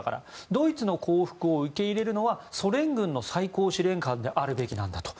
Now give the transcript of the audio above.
ドイツの降伏を受け入れるのはソ連軍の最高司令官であるべきなんだと。